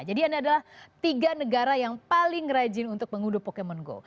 jadi ini adalah tiga negara yang paling rajin untuk mengunduh pokemon go